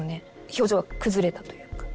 表情が崩れたというか。